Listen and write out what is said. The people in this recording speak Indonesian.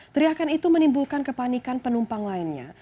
teriakan itu menimbulkan kepanikan penumpang lainnya